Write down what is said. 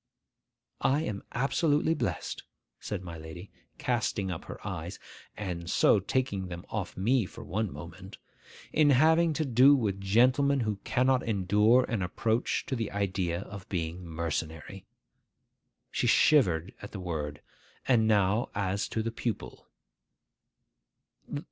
'I am absolutely blessed,' said my lady, casting up her eyes (and so taking them off me for one moment), 'in having to do with gentlemen who cannot endure an approach to the idea of being mercenary!' She shivered at the word. 'And now as to the pupil.